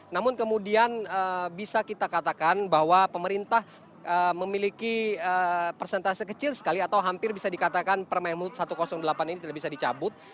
namun kemudian bisa kita katakan bahwa pemerintah memiliki persentase kecil sekali atau hampir bisa dikatakan permaimud satu ratus delapan ini tidak bisa dicabut